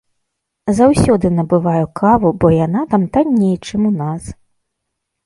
Заўсёды набываю каву, бо яна там танней, чым у нас.